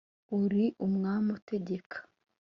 uri umwami utegeka